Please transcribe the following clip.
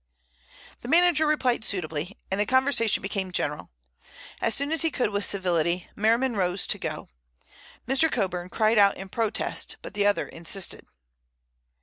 The manager replied suitably, and the conversation became general. As soon as he could with civility, Merriman rose to go. Mr. Coburn cried out in protest, but the other insisted.